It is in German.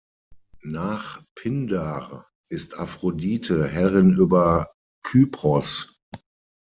Nach Pindar ist Aphrodite Herrin über Kypros.